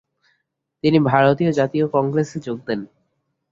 তিনি ভারতীয় জাতীয় কংগ্রেসে যোগ দেন।